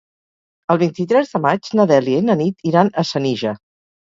El vint-i-tres de maig na Dèlia i na Nit iran a Senija.